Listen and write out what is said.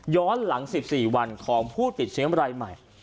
หลัง๑๔วันของผู้ติดเชื้อรายใหม่